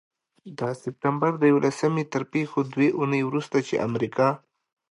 د سپټمبر د یوولسمې تر پيښو دوې اونۍ وروسته، چې امریکا